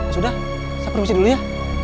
sudah saya produksi dulu ya